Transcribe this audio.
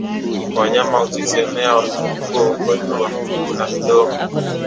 Wanyama huchechemea wakiugua ugonjwa wa miguu na midomo